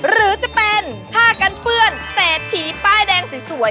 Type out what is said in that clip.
หรือจะเป็นผ้ากันเปื้อนเศรษฐีป้ายแดงสวย